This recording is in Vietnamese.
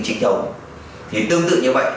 trinh thống thì tương tự như vậy